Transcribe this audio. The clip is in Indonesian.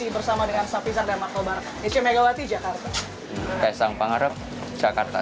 bapak ibu dong ibarat dengan warga